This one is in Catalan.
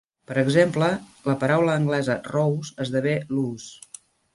Per exemple, la paraula anglesa "rose" esdevé "lose".